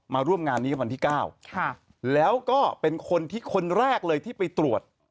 มาร่วมงานนี้วันที่๙แล้วก็เป็นคนที่คนแรกเลยที่ไปตรวจ